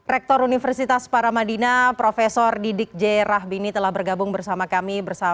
rektor universitas paramadina prof didik j rahbini telah bergabung bersama kami